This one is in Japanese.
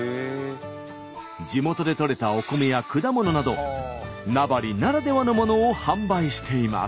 地元でとれたお米や果物など名張ならではのものを販売しています。